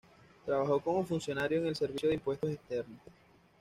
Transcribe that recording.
Trabajó como funcionario en el Servicio de Impuestos Internos.